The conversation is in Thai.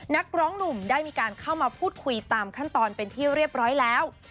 นักร้องหนุ่มได้มีการเข้ามาพูดคุยตามขั้นตอนเป็นที่เรียบร้อยแล้ว